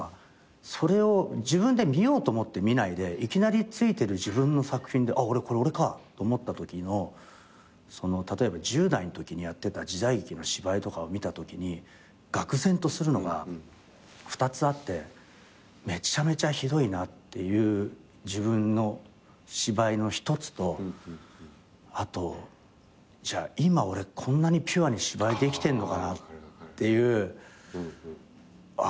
それを自分で見ようと思って見ないでいきなりついてる自分の作品であっこれ俺かって思ったときの例えば１０代のときにやってた時代劇の芝居とかを見たときにがく然とするのが２つあってめちゃめちゃひどいなっていう自分の芝居の１つとあとじゃあ今俺こんなにピュアに芝居できてるのかなっていうあっ